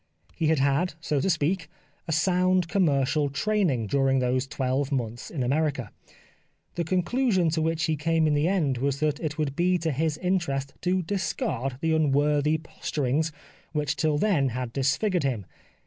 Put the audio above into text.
He had had, so to speak, a sound commercial train ing during those twelve months in America. The conclusion to which he came in the end was that it would be to his interest to discard the unworthy posturings which till then had dis figured him.